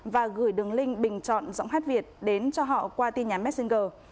và gửi đường link bình chọn giọng hát việt đến cho họ qua tin nhắn messenger